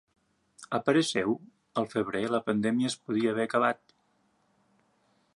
A parer seu, al febrer la pandèmia es podria haver acabat.